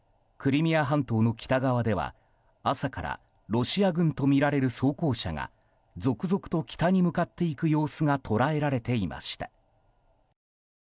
クリミア半島の北側では朝からロシア軍とみられる装甲車が続々と北に向かっていく様子が捉えられていました。